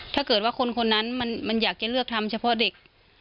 ถ้าเกิดว่าคนนั้นมันอยากจะเลือกทำเฉพาะเด็ก